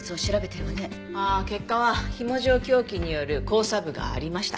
ああ結果は紐状凶器による交叉部がありました。